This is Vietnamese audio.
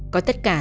có tất cả